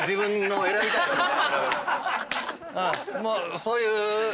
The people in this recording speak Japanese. そういう。